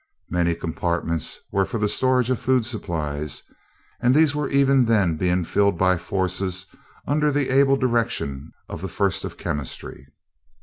Many compartments were for the storage of food supplies, and these were even then being filled by forces under the able direction of the first of Chemistry.